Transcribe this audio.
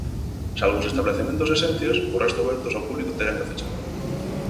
Salvo os estabelecementos esencias, o resto abertos ao público terán que fechar.